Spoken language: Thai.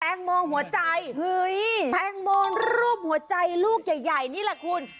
แตงโมหัวใจแตงโมรูปหัวใจลูกใหญ่นี่แหละคุณ